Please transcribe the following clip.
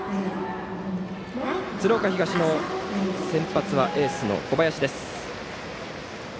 鶴岡東の先発はエースの小林です。